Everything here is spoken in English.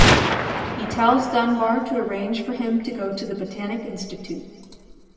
He tells Dunbar to arrange for him to go to the Botanic Institute.